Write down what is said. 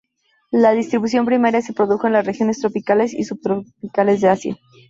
La distribución primaria se produjo en las regiones tropicales y subtropicales de Asia.